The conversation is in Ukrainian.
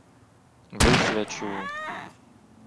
— Висвячу...